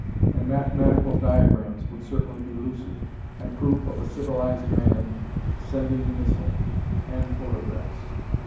And mathematical diagrams would certainly be lucid, and proof of a civilized man sending the missile, and photographs....